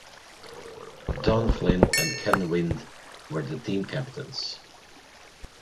Don Flynn and Ken Wind were the team captains.